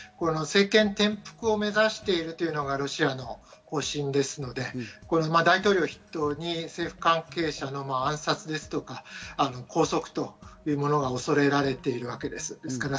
政権転覆を目指しているというのがロシアの方針ですので、大統領、政府関係者の暗殺とか拘束というものが恐れられているわけです。